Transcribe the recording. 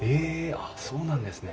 あっそうなんですね。